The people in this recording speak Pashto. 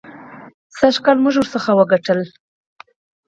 سږکال مو بېرته ترې وګټله.